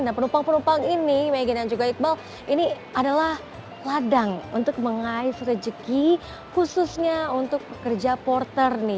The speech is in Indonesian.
dan penumpang penumpang ini maggie dan juga iqbal ini adalah ladang untuk mengais rejeki khususnya untuk pekerja porter nih